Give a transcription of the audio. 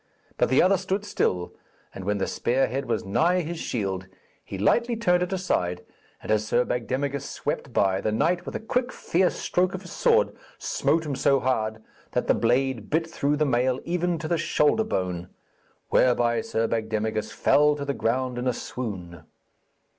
But the other stood still, and when the spear head was nigh his shield, he lightly turned it aside, and as Sir Bagdemagus swept by, the knight, with a quick fierce stroke of his sword, smote him so hard that the blade bit through the mail even to the shoulder bone; whereby Sir Bagdemagus fell to the ground in a swoon.